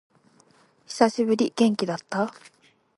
久しぶり。元気だった？